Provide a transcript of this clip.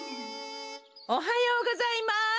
おはようございます。